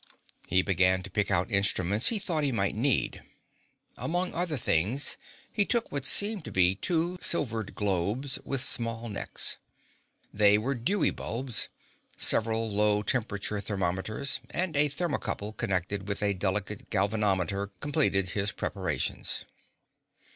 He began to pick out instruments he thought he might need. Among other things he took what seemed to be two silvered globes with small necks. They were Dewey bulbs. Several low temperature thermometers and a thermocouple connected with a delicate galvanometer completed his preparations.